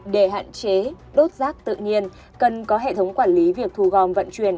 để hạn chế đốt rác tự nhiên cần có hệ thống quản lý việc thu gom vận chuyển